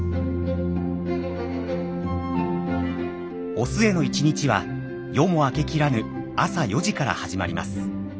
御末の１日は夜も明けきらぬ朝４時から始まります。